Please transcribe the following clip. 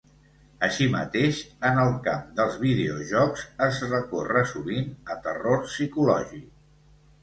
Així mateix, en el camp dels videojocs es recorre sovint al terror psicològic.